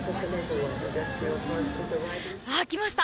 あ、来ました！